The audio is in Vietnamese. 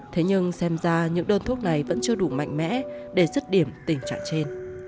thế nhưng xem ra những đơn thuốc này vẫn chưa đủ mạnh mẽ để dứt điểm tình trạng trên